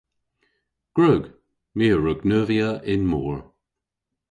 Gwrug. My a wrug neuvya y'n mor.